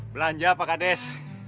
belanja pak kades